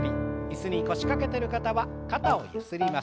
椅子に腰掛けてる方は肩をゆすります。